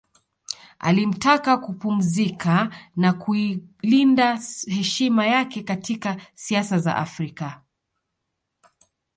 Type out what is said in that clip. Alimtaka kupumzika na kuilinda heshima yake katika siasa za Afrika